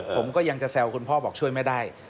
ผมก็ยังจะแซวคุณพ่อบอกช่วยไม่ได้